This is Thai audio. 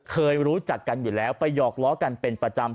เคยรู้จักกันอยู่แล้วไปหอกล้อกันเป็นประจำ